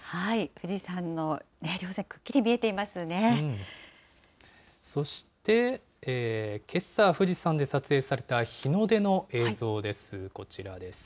富士山のりょう線、くっきりそして、けさ富士山で撮影された日の出の映像です。